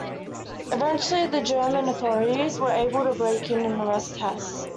Eventually, the German authorities were able to break in and arrest Hess.